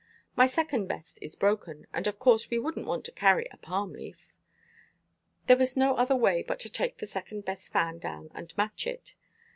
My second best is broken, and of course we wouldn't want to carry a palm leaf. There was no other way but to take the second best fan down and match it.